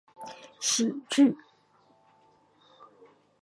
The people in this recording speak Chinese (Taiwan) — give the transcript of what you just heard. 喜劇